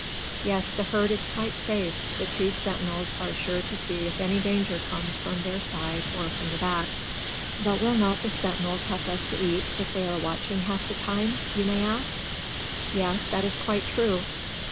Yes, the herd is quite safe; the two sentinels are sure to see if any danger comes from their side or from the back. "But will not the sentinels have less to eat, if they are watching half the time?" you may ask. Yes, that is quite true.